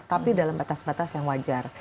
tapi dalam batas batas yang wajar